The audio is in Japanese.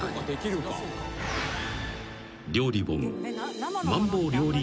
［料理本］